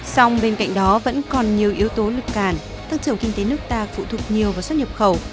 song bên cạnh đó vẫn còn nhiều yếu tố lực cản tăng trưởng kinh tế nước ta phụ thuộc nhiều vào xuất nhập khẩu